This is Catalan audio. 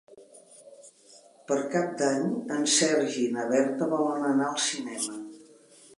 Per Cap d'Any en Sergi i na Berta volen anar al cinema.